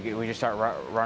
dan kami mulai berjalan terus